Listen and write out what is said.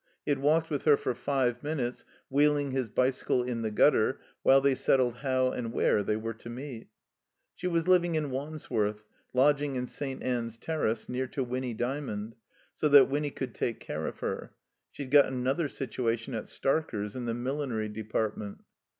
He had walked with her for five minutes, wheeling his bicycle in the gutter, while they settled how and where they were to meet. She was living in Wandsworth, lodging in St. Ann's Terrace, near to Winny D3rmond, so that Winny could take care of her. She had got another situation at Starker's, in the millinery department.